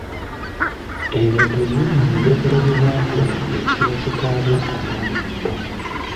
Ebintu bibiri mu njogera bye batuuma ekiba kikaabya omwana omuto.